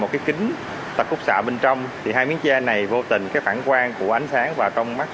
một cái kính tạp cút xạ bên trong thì hai miếng che này vô tình cái phản quan của ánh sáng vào trong mắt